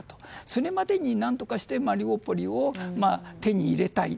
それまでに何とかしてマリウポリを手に入れたい。